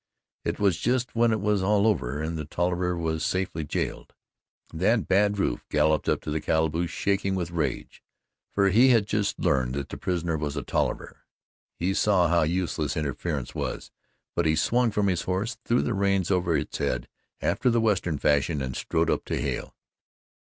It was just when it was all over, and the Tolliver was safely jailed, that Bad Rufe galloped up to the calaboose, shaking with rage, for he had just learned that the prisoner was a Tolliver. He saw how useless interference was, but he swung from his horse, threw the reins over its head after the Western fashion and strode up to Hale.